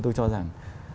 tôi cho rằng